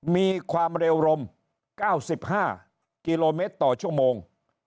มีความเร็วรม๙๕กิโลเมตรต่อชั่วโมง